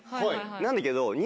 なんだけど。